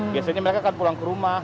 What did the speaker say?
biasanya mereka akan pulang ke rumah